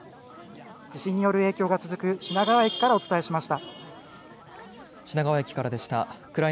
地震による影響が続く品川駅からお伝えしました。